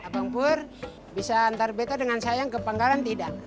bang pur bisa antar beto dengan sayang ke pangkalan tidak